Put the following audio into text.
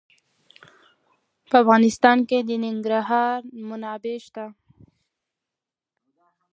په افغانستان کې د ننګرهار منابع شته.